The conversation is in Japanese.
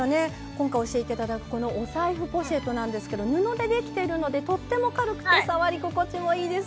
今回教えて頂くこのお財布ポシェットなんですけど布で出来てるのでとっても軽くて触り心地もいいです。